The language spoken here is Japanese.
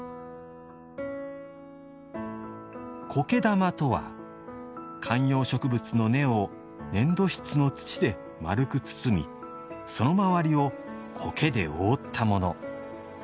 苔玉とは、観葉植物の根を粘土質の土で丸く包みその周りを苔で覆ったもの。